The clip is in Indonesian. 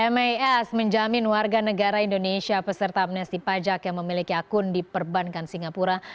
mas menjamin warga negara indonesia peserta amnesti pajak yang memiliki akun diperbankan singapura